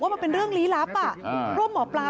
อยากพูดอะไรของหมอปา